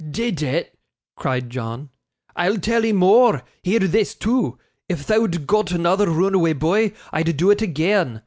'Did it!' cried John. 'I'll tell 'ee more; hear this, too. If thou'd got another roonaway boy, I'd do it agean.